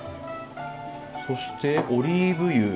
そしてオリーブ油。